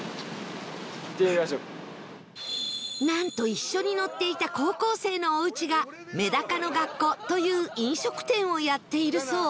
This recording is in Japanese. なんと一緒に乗っていた高校生のおうちが「めだかのがっこ」という飲食店をやっているそう